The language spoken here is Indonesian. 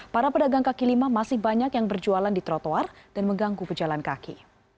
para pedagang kaki lima masih banyak yang berjualan di trotoar dan mengganggu pejalan kaki